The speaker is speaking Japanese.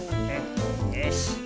よし。